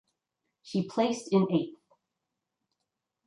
She placed in eighth.